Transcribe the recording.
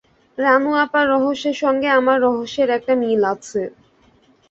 রানু আপার রহস্যের সঙ্গে আমার রহস্যের একটা মিল আছে।